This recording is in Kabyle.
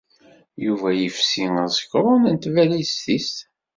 Yuba yefsi azekṛun n tbalizt-is.